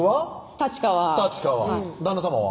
立川旦那さまは？